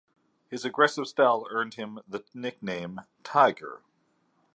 His aggressive style earned him the nickname Tiger.